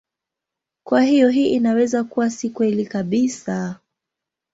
Kwa hiyo hii inaweza kuwa si kweli kabisa.